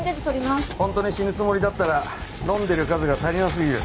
ホントに死ぬつもりだったら飲んでる数が足りな過ぎる。